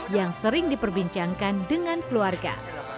yang sering diperbincangkan dengan keluarga